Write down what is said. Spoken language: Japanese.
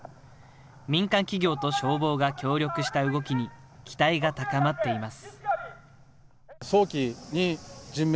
民間企業と消防が協力した動きに期待が高まっています。